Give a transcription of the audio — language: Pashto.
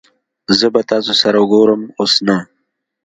زه به تاسو سره ګورم اوس نه